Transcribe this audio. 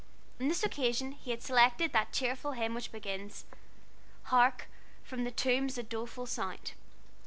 On this occasion he had selected that cheerful hymn which begins "Hark, from the tombs a doleful sound."